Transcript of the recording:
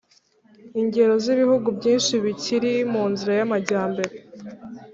ingero z'ibihugu byinshi bikiri mu nzira y'amajyambere